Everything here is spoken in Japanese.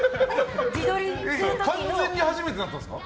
完全に初めてだったんですか？